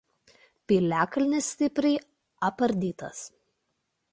Piliakalnis stipriai apardytas.